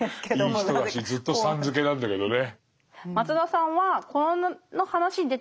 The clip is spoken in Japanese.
いい人だしずっと「さん」付けなんだけどね。